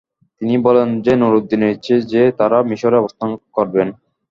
তিনি বলেন যে নুরউদ্দিনের ইচ্ছা যে তারা মিশরে অবস্থান করবেন।